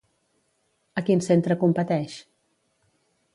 A quin centre competeix?